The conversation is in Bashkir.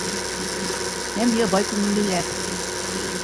Һәм ябай күңеллеләр.